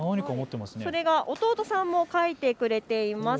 これが弟さんも描いてくれてます